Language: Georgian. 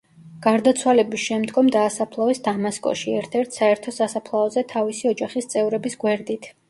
გარდაცვალების შემდგომ დაასაფლავეს დამასკოში, ერთ–ერთ საერთო სასაფლაოზე თავისი ოჯახის წევრების გვერდით.